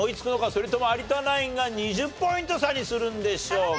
それとも有田ナインが２０ポイント差にするんでしょうか。